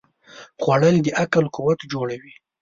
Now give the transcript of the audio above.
خوړل د عقل قوت جوړوي